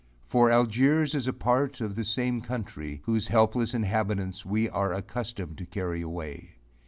For Algiers is a part of the same country, whose helpless inhabitants we are accustomed to carry away.